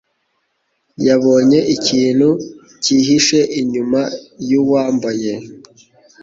yabonye ikintu cyihishe inyuma yuwambaye.